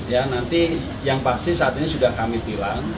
ya nanti yang pasti saat ini sudah kami tilang